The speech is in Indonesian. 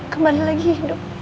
kembali lagi hidup